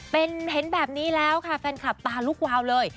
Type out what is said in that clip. เป็นเห็นแบบนี้แล้วค่ะแฟนคลับตาลุกวาวเลย